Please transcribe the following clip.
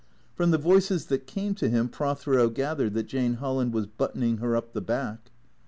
From the voices that came to him Prothero gathered that Jane Holland was " buttoning her up the back."